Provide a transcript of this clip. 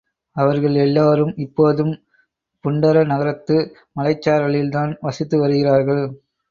அவர்கள் எல்லோரும் இப்போதும் புண்டர நகரத்து மலைச்சாரலில்தான் வசித்து வருகிறார்கள்.